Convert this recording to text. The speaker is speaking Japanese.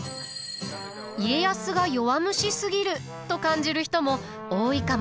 家康が弱虫すぎると感じる人も多いかもしれません。